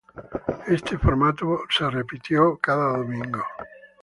Este formato fue repetido cada domingo.